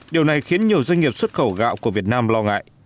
điều này khiến nhiều doanh nghiệp xuất khẩu gạo của việt nam lo ngại